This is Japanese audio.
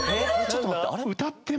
ちょっと待って。